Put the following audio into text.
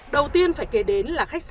đầu tiên phải kể đến là khách sạn